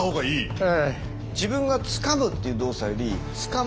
ええ。